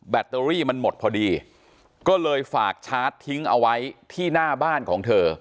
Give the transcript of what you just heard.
ตเตอรี่มันหมดพอดีก็เลยฝากชาร์จทิ้งเอาไว้ที่หน้าบ้านของเธอ